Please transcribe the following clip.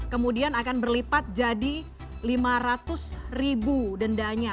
kemudian akan berlipat jadi lima ratus ribu dendanya